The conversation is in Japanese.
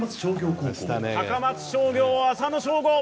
高松商業、浅野翔吾！